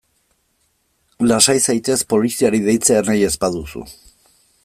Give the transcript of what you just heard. Lasai zaitez poliziari deitzea nahi ez baduzu.